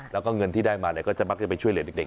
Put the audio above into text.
และเงินที่ได้มาก็จะมากยังไปช่วยเด็ก